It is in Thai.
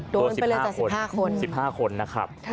โดนไปเลยจาก๑๕คน๑๕คนนะครับ